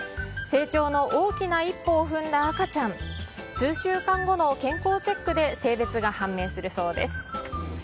成長の大きな一歩を踏んだ赤ちゃん、数週間後の健康チェックで、性別が判明するそうです。